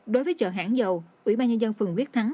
đối với chợ hãng dầu ủy ban nhân dân phường quyết thắng